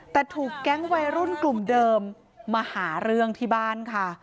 แต่ถูกแก๊งวัยรุ่นกลุ่มเดิมมาหาเรื่องที่บ้านค่ะ